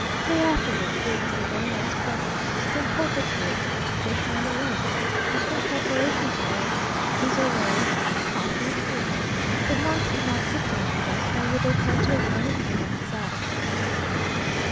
They afterwards gave us a very nice breakfast, simple but good; fish from the lake, different preparations of eggs, riz ou lait, coffee, and fruit. The monks did not sit down with us, nor would they partake of anything themselves.